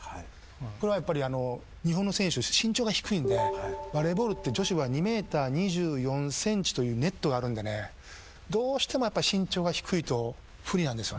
これはやっぱり日本の選手身長が低いんでバレーボールって女子は２ｍ２４ｃｍというネットがあるんでねどうしても身長が低いと不利なんですよね。